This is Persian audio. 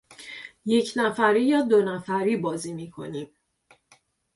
یک نفری یا دونفری بازی میکنیم.